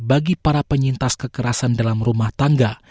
bagi para penyintas kekerasan dalam rumah tangga